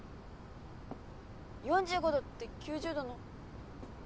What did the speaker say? ４５度って９０度の。